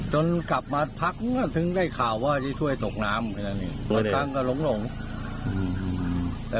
จนกลับมาพักถึงได้ข่าวว่าที่ช่วยตกน้ำ